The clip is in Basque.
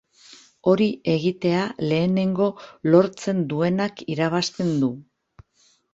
Hori egitea lehenengo lortzen duenak irabazten du.